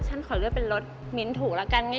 ฉันขอเลือกเป็นรถมิ้นถูกแล้วกัน